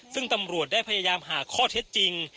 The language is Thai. ซึ่งตำรวจได้พยายามหาข้อเท็จจริง